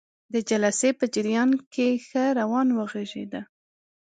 د جلسې په جریان کې ښه روان وغږیده.